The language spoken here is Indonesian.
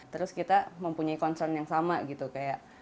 terus kita mempunyai concern yang sama gitu kayak